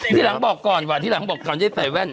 ทีหลังบอกก่อนว่าที่หลังบอกก่อนได้ใส่แว่น